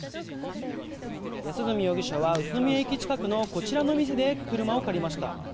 安栖容疑者は宇都宮駅近くのこちらの店で車を借りました。